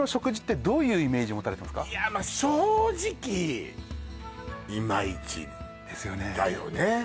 いやまあ正直ですよねだよね